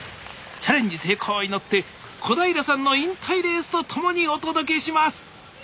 成功を祈って小平さんの引退レースとともにお届けします